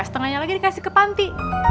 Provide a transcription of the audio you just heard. setengahnya lagi dikasih ke panti